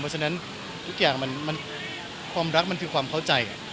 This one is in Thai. ดูทุกอย่างมันความรักมันคือความเข้าใจ